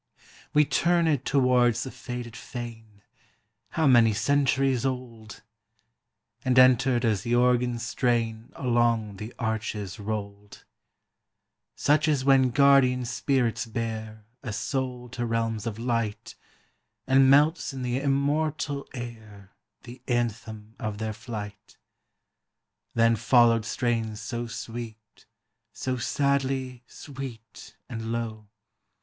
We turned towards the faded fane, How many centuries old ! And entered as the organ's strain Along the arches rolled ; Such as when guardian spirits bear A soul to realms of light, And melts in the immortal air The anthem of their flight : Then followed strains so sweet, So sadly sweet and low.